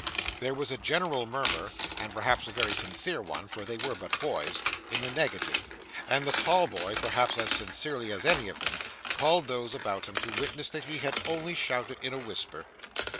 There was a general murmur (and perhaps a very sincere one, for they were but boys) in the negative; and the tall boy, perhaps as sincerely as any of them, called those about him to witness that he had only shouted in a whisper.